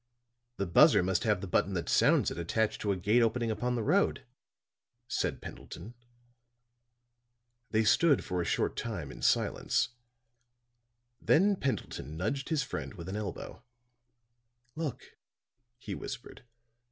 "The buzzer must have the button that sounds it attached to a gate opening upon the road," said Pendleton. They stood for a short time in silence; then Pendleton nudged his friend with an elbow. "Look," he whispered.